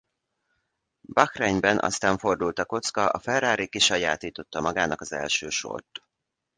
Bahreinben aztán fordult a kocka a Ferrari kisajátította magának az első sort.